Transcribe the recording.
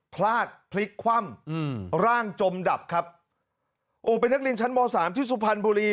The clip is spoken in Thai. พลาดพลิกคว่ำอืมร่างจมดับครับโอ้เป็นนักเรียนชั้นมสามที่สุพรรณบุรี